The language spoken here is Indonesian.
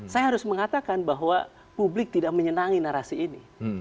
saya harus mengatakan bahwa publik tidak bisa dihukum